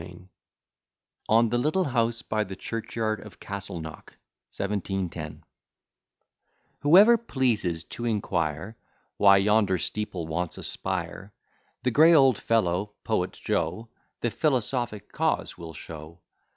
B._] ON THE LITTLE HOUSE BY THE CHURCHYARD OF CASTLENOCK 1710 Whoever pleases to inquire Why yonder steeple wants a spire, The grey old fellow, Poet Joe, The philosophic cause will show.